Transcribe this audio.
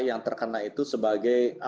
yang terkena itu sebagai